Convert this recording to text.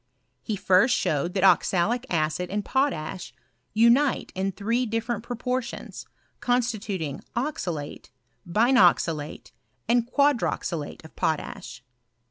He first showed that oxalic acid and potash unite in three different proportions, constituting oxalate, binoxalate, and quadroxalate of potash.